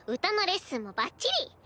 歌のレッスンもばっちり。